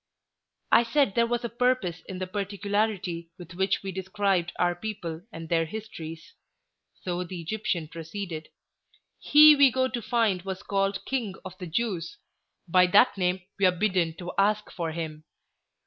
"I said there was a purpose in the particularity with which we described our people and their histories," so the Egyptian proceeded. "He we go to find was called 'King of the Jews;' by that name we are bidden to ask for him.